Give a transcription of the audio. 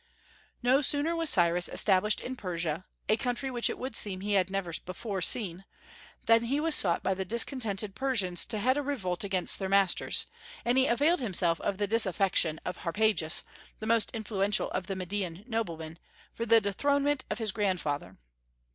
No sooner was Cyrus established in Persia, a country which it would seem he had never before seen, than he was sought by the discontented Persians to head a revolt against their masters, and he availed himself of the disaffection of Harpagus, the most influential of the Median noblemen, for the dethronement of his grandfather.